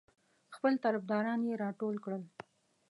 خپل طرفداران یې راټول کړل.